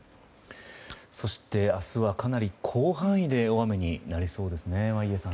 そして明日はかなり広範囲で大雨になりそうですね眞家さん。